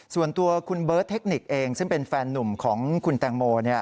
ส่วนตัวคุณเบิร์ตเทคนิคเองซึ่งเป็นแฟนหนุ่มของคุณแตงโม